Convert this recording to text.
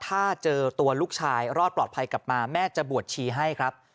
ถ้าเจอตัวลูกชายรอดปลอดภัยกลับมาแม่จะบวชชีให้ครับ